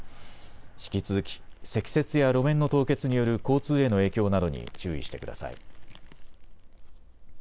引き続き積雪や路面の凍結による交通への影響などに注意してください。